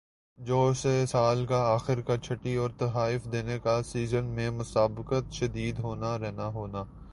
جو سے سال کا آخر کا چھٹی اور تحائف دینا کا سیزن میں مسابقت شدید ہونا رہنا ہونا